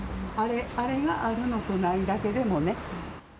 あれがあるのとないだけでもね。